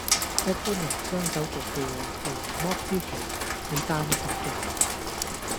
一般人雙手做嘅嘢，例如剝蕉皮，你單手做